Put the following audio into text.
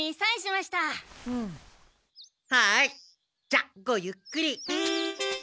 じゃごゆっくり。